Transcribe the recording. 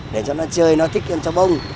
để cho nó chơi nó thích con chó bông